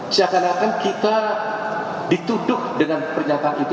seakan akan kita dituduh dengan pernyataan itu